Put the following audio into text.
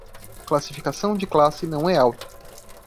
Classificação de classe não é alta